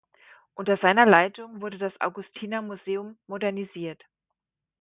Unter seiner Leitung wurde das Augustinermuseum modernisiert.